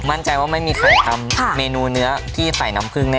มั่นใจว่าไม่มีใครทำเมนูเนื้อที่ใส่น้ำผึ้งแน